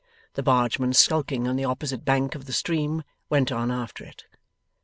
The bargeman skulking on the opposite bank of the stream, went on after it.